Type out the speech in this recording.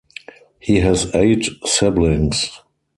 He has eight siblings.